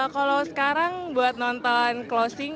kalau sekarang buat nonton closing